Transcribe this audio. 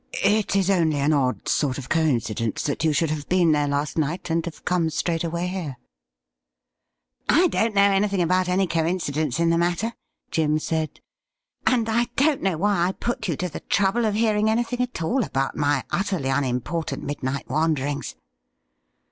It is only an odd sort of coincidence that you should have been there last night, and have come straight away here.' 'I don't know anything about any coincidence in the A LETTER AND A MEETING 183 matter,' Jim said, ' and I don't know why I put you to the trouble of hearing anything at all about my utterly un important midnight wanderings.'